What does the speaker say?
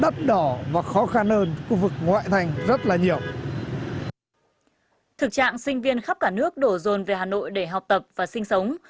thực trạng sinh viên khắp cả nước đổ rồn về hà nội để học tập và sinh sống